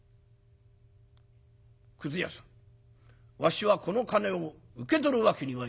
「くず屋さんわしはこの金を受け取るわけにはいかん」。